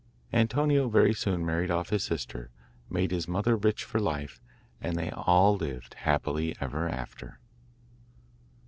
Antonio very soon married off his sister, made his mother rich for life, and they all lived happily for ever after.